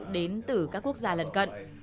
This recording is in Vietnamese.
đến từ các quốc gia lần cận